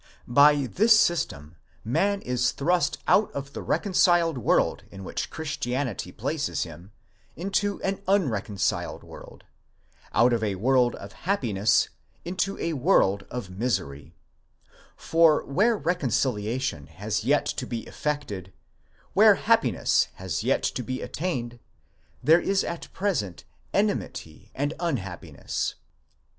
By this system, man is thrust out of the reconciled world in which Christianity places him, into an unreconciled world, out of a world of happi ness into a world of misery; for where reconciliation has yet to be effected, where happiness has yet to be attained, there is at present enmity and un happiness.